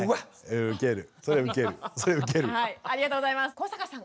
古坂さん